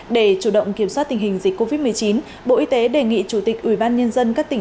để chủ động kiểm soát tình hình dịch covid một mươi chín bộ y tế đề nghị chủ tịch ubnd các tỉnh